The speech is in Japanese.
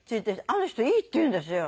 あの人いいって言うんですよ。